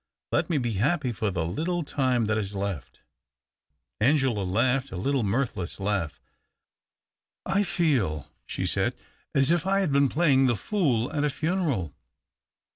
Let me be happy for the little time that is left !" Anoela laus^hed a little mirthless laug h. " I feel," she said, "as if I had been play ing the fool at a funeral."